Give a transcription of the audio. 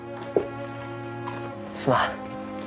すまん。